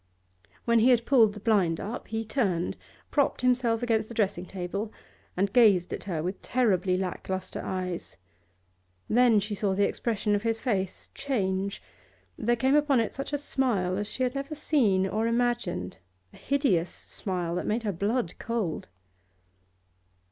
When he had pulled the blind up, he turned, propped himself against the dressing table, and gazed at her with terribly lack lustre eyes. Then she saw the expression of his face change; there came upon it a smile such as she had never seen or imagined, a hideous smile that made her blood cold.